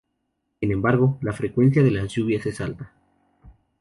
Sin embargo, la frecuencia de las lluvias es alta.